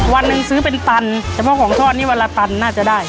วันหนึ่งซื้อเป็นตันเฉพาะของทอดนี่วันละตันน่าจะได้